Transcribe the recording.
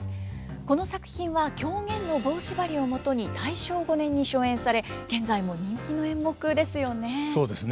この作品は狂言の「棒縛」をもとに大正５年に初演され現在も人気の演目ですよね。